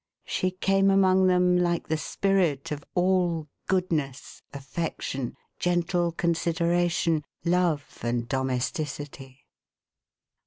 She came among them like the spirit of all goodness, affection, gentle consideration, love, and domesticity.